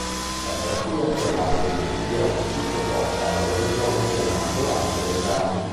La terapia si avvale di antibiotici che porta alla guarigione nella maggioranza dei casi.